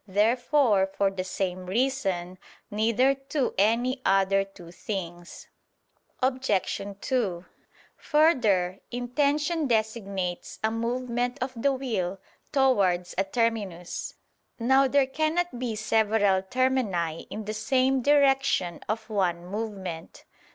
Therefore, for the same reason, neither to any other two things. Obj. 2: Further, intention designates a movement of the will towards a terminus. Now there cannot be several termini in the same direction of one movement.